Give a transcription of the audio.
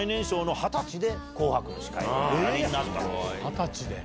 二十歳で。